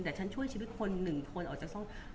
แต่ฉันช่วยชีวิตคนหนึ่งคนออกจากซอก